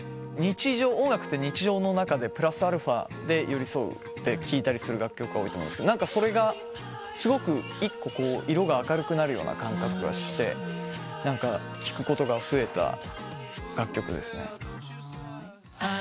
音楽って日常の中でプラスアルファで寄り添って聴いたりする楽曲が多いと思うんですけどそれがすごく１個色が明るくなるような感覚がして聴くことが増えた楽曲ですね。